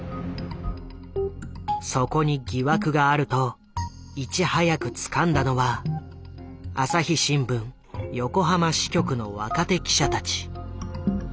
そこに疑惑があるといち早くつかんだのは朝日新聞横浜支局の若手記者たち。